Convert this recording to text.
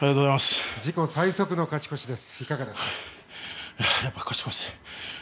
自己最速の勝ち越しです。